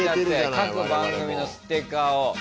各番組のステッカーを。